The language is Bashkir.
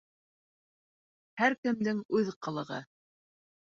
Һәр кемдең үҙ ҡылығы.